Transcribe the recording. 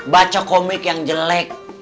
baca komik yang jelek